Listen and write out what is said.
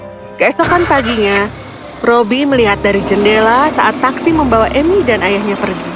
keesokan paginya robby melihat dari jendela saat taksi membawa emi dan ayahnya pergi